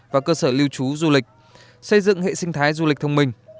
và cơ sở lưu trú du lịch xây dựng hệ sinh thái du lịch thông minh